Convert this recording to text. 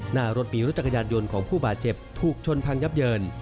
หน้ารถมีรถจักรยานยนต์ของผู้อาจเจ็บ